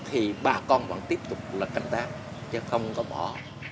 thì bà con vẫn tiếp tục là canh tác chứ không có bỏ